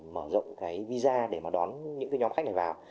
mở rộng cái visa để mà đón những cái nhóm khách này vào